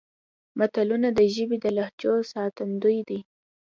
متلونه د ژبې د لهجو ساتندوی دي